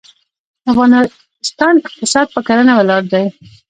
د افغانستان اقتصاد په کرنه ولاړ دی.